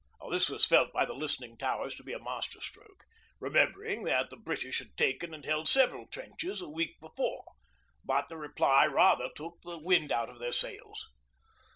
This was felt by the listening Towers to be a master stroke, remembering that the British had taken and held several trenches a week before, but the reply rather took the wind out of their sails.